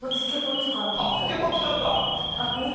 結構使うか。